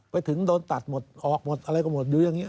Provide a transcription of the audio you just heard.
ไปถึงโดนตัดหมดออกหมดอะไรก็หมดอยู่อย่างนี้